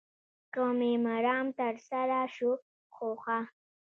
که مې مرام تر سره شو خو ښه.